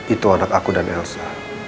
itu anak aku dan elsa